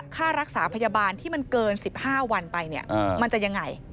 ค่ารักษาพยาบาลที่มันเกิน๑๕วันไปเนี่ยมันจะยังไง